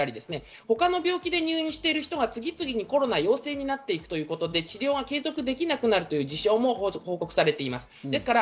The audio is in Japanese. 他の病気で入院している人が次々にコロナ陽性になっていくということで治療が継続できなくなるという事象も報告されています。